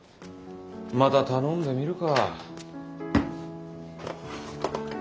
また頼んでみるか。